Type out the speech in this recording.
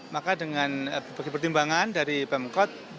maka dengan berbagai pertimbangan dari pemkot